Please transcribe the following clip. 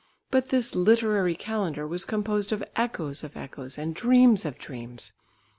But this Literary Calendar was composed of echoes of echoes and dreams of dreams.